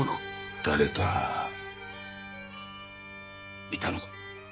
誰かいたのか？